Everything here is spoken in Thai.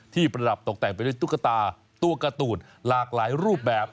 ประดับตกแต่งไปด้วยตุ๊กตาตัวการ์ตูนหลากหลายรูปแบบ